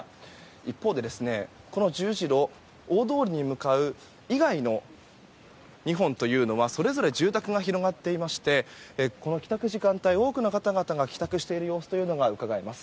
一方で、この十字路大通りに向かう以外の２本というのはそれぞれ住宅が広がっていまして帰宅時間帯、多くの方々が帰宅しているのがうかがえます。